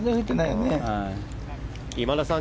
今田さん